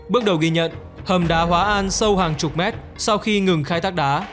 bước đầu ghi nhận hầm đá hóa an sâu hàng chục mét sau khi ngừng khai thác đá